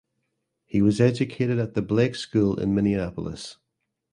He was educated at the Blake School in Minneapolis.